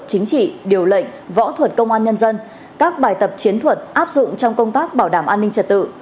chính trị điều lệnh võ thuật công an nhân dân các bài tập chiến thuật áp dụng trong công tác bảo đảm an ninh trật tự